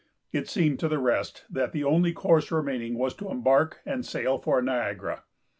It seemed to the rest that the only course remaining was to embark and sail for Niagara.